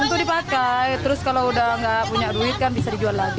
untuk dipakai terus kalau udah nggak punya duit kan bisa dijual lagi